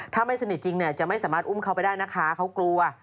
ถ้าไม่สนิทจริงเนี่ยจะไม่สามารถอุ้มเขาไปได้นะคะเขากลัว